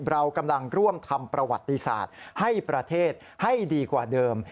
เรากำลังร่วมทำประวัติศาสตร์ให้ประเทศให้ดีกว่าเดิม